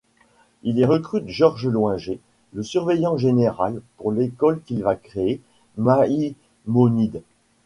Il y recrute Georges Loinger, le surveillant général, pour l'école qu'il va créer, Maïmonide.